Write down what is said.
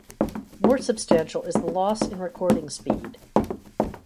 More substantial is the loss in recording speed.